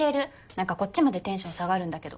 何かこっちまでテンション下がるんだけど。